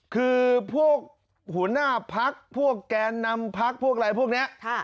คือพวกหัวหน้าพักพวกแกนนำพักพวกอะไรพวกนี้